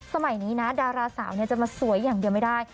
สมัยนี้นะดาราสาวจะมาสวยอย่างเดียวไม่ได้